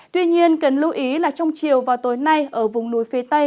tuy nhiên cần lưu ý là trong chiều và tối nay ở vùng núi phía tây